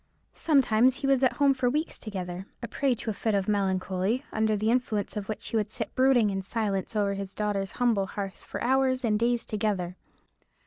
Sometimes he was at home for weeks together, a prey to a fit of melancholy; under the influence of which he would sit brooding in silence over his daughter's humble hearth for hours and days together.